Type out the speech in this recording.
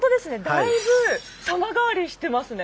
だいぶ様変わりしてますね。